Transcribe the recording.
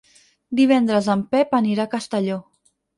Divendres en Pep anirà a Castelló.